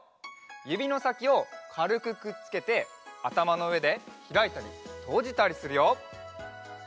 ゆびのさきをかるくくっつけてあたまのうえでひらいたりとじたりするよ。